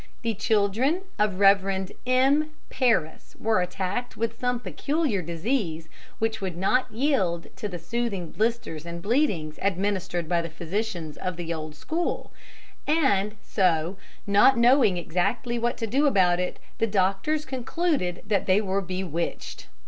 The children of Rev. Mr. Parris were attacked with some peculiar disease which would not yield to the soothing blisters and bleedings administered by the physicians of the old school, and so, not knowing exactly what to do about it, the doctors concluded that they were bewitched.